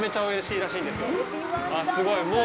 すごい！